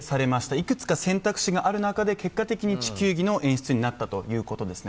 いくつか選択肢がある中で結果的に地球儀の演出になったということですね。